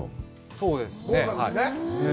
そうですね。